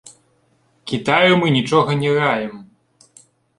Кітаю мы нічога не раім.